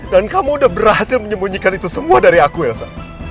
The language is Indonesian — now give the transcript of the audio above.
kamu udah berhasil menyembunyikan itu semua dari aku elsa